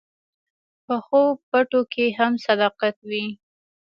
پخو پټو کې هم صداقت وي